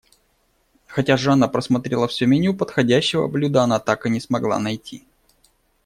Хотя Жанна просмотрела всё меню, подходящего блюда она так и не смогла найти.